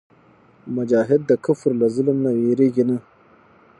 مجاهد د کفر له ظلم نه وېرېږي نه.